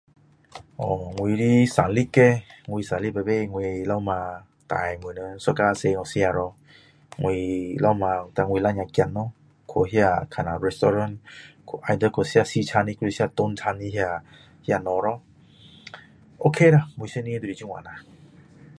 哦我的生日叻我生日每次我老婆带我们一家出去吃咯我老婆带我两个孩子咯去那看下那 restaurant either 去吃西餐的还是中餐的那那东西咯 ok 啦每一年就是这样啦